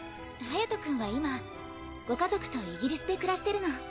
ハヤトくんは今ご家族とイギリスで暮らしてるの。